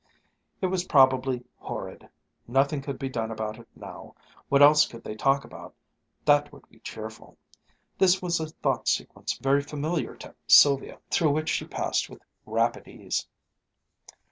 It was probably "horrid"; nothing could be done about it now; what else could they talk about that would be cheerful? This was a thought sequence very familiar to Sylvia, through which she passed with rapid ease.